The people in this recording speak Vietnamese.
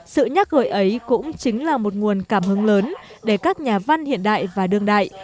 sự nhắc gợi ấy cũng chính là một nguồn cảm hứng lớn để các nhà văn hiện đại và đương đại